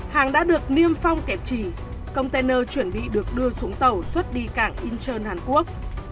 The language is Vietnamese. hàng đã được niêm phong kẻ chỉ container chuẩn bị được đưa xuống tàu xuất đi cảng incheon hàn quốc